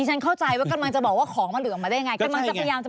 ดิฉันเข้าใจว่ากำลังจะบอกว่าของมันหลุดออกมาได้อย่างไร